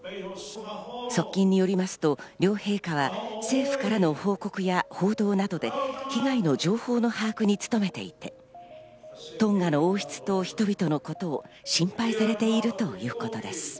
側近によりますと、両陛下は政府からの報告や報道などで、被害の情報の把握につとめていて、トンガの王室と人々のことを心配されているということです。